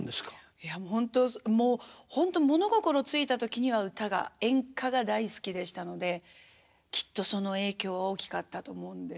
いやもうほんともうほんと物心付いた時には歌が演歌が大好きでしたのできっとその影響は大きかったと思うんです。